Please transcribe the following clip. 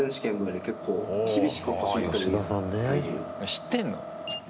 知ってんの？